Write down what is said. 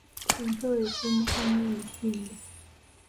Empeewo efuumuka nnyo emisinde